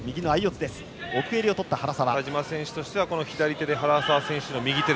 田嶋選手としては左手で原沢選手の右手